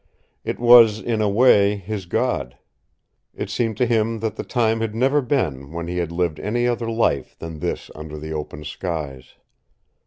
It was, in a way, his God. It seemed to him that the time had never been when he had lived any other life than this under the open skies.